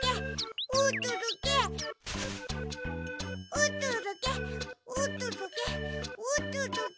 おとどけおとどけおとどけ。